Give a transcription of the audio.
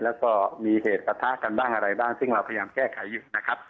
แล้วก็มีเหตุประทะกันบ้างอะไรบ้างซึ่งเราพยายามแก้ไขอยู่นะครับ